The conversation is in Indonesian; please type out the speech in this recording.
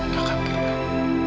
gak akan pernah